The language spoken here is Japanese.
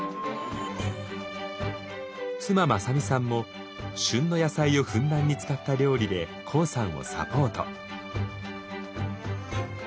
妻正美さんも旬の野菜をふんだんに使った料理でＫＯＯさんをサポート。